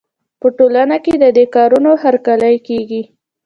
په ټولنه کې د دې کارونو هرکلی کېږي.